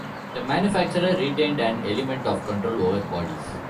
The manufacturer retained an element of control over bodies.